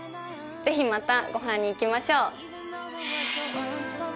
ぜひまたごはんに行きましょう！